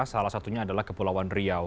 salah satunya adalah kepulauan riau